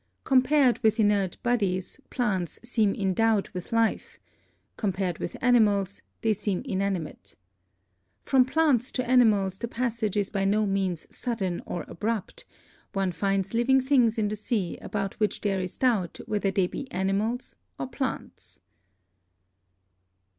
Compared with inert bodies, plants seem endowed with life; compared with animals, they seem inanimate. From plants to animals the passage is by no means sudden or abrupt; one finds living things in the sea about which there is doubt whether they be animals or plants."